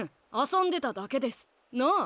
遊んでただけです。なあ？